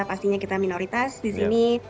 pastinya kita minoritas di sini